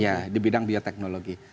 ya di bidang bioteknologi